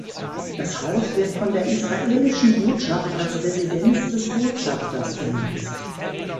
Das Haus wird von der Israelischen Botschaft als Residenz des Botschafters genutzt.